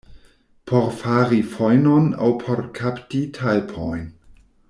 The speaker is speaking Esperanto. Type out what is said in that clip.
Por fari fojnon aŭ por kapti talpojn.